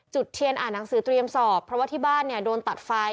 เทียนอ่านหนังสือเตรียมสอบเพราะว่าที่บ้านเนี่ยโดนตัดไฟ